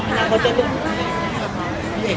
เราพอจะแท็สเซอร์ไม่เป็นไร